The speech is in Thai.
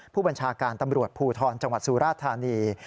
ผู้บัญชาการตำรวจภูทรจังหวัดสุราธานี